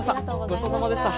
ごちそうさまでした。